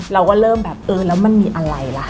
เราก็เริ่มแบบเออแล้วมันมีอะไรล่ะ